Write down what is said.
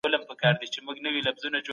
هیڅوک باید د خپل قوم له امله ونه رټل سي.